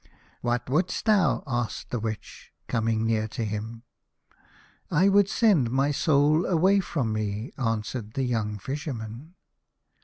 " What would'st thou ?" asked the Witch, coming near to him. " I would send my soul away from me," answered the young Fisherman.